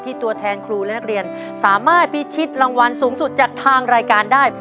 ตัวแทนครูและนักเรียนสามารถพิชิตรางวัลสูงสุดจากทางรายการได้